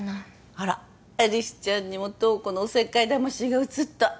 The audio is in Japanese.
あら有栖ちゃんにも瞳子のおせっかい魂がうつった？